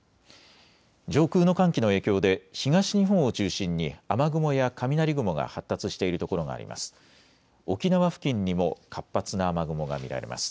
上空の寒気の影響で東日本を中心に雨雲や雷雲が発達している所があります。